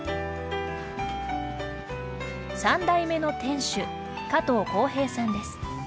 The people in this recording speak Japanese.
３代目の店主、加藤幸平さんです。